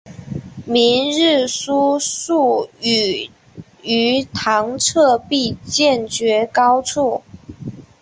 明日书数语于堂侧壁间绝高处。